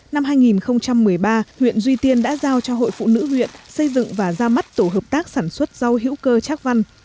năm hai nghìn một mươi ba huyện duy tiên đã giao cho hội phụ nữ huyện xây dựng và ra mắt tổ hợp tác sản xuất rau hữu cơ trác văn